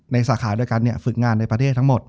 สาขาด้วยกันฝึกงานในประเทศทั้งหมด